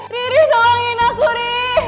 riri tolongin aku riri